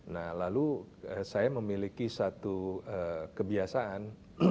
nah lalu saya memiliki satu kebiasaan